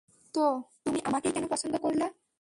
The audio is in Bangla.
তো, তুমি আমাকেই কেন পছন্দ করলা?